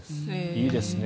いいですね。